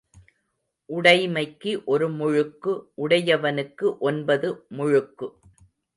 உடைமைக்கு ஒரு முழுக்கு உடையவனுக்கு ஒன்பது முழுக்கு.